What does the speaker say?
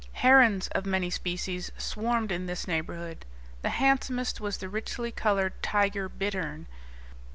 Herons of many species swarmed in this neighborhood. The handsomest was the richly colored tiger bittern.